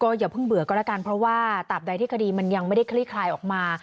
อย่าเพิ่งเบื่อก็แล้วกันเพราะว่าตามใดที่คดีมันยังไม่ได้คลี่คลายออกมา